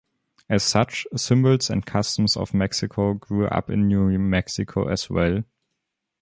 As such, symbols and customs of Mexico grew up in New Mexico as well.